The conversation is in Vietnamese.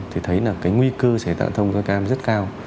thì thấy là cái nguy cư xảy ra tai nạn thông cho các em rất cao